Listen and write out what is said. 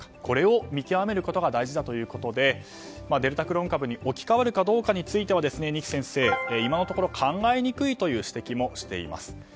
これを見極めることが大事だということでデルタクロン株に置き換わるかどうかについては二木先生、今のところ考えにくいとの指摘もしています。